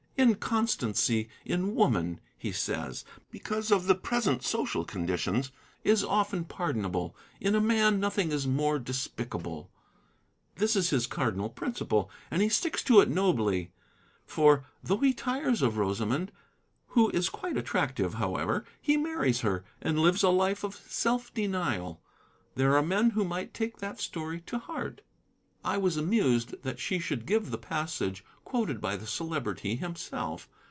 'Inconstancy in woman,' he says, because of the present social conditions, is often pardonable. In a man, nothing is more despicable.' This is his cardinal principle, and he sticks to it nobly. For, though he tires of Rosamond, who is quite attractive, however, he marries her and lives a life of self denial. There are men who might take that story to heart." I was amused that she should give the passage quoted by the Celebrity himself.